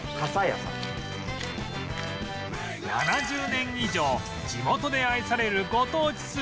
７０年以上地元で愛されるご当地スーパー「かさや」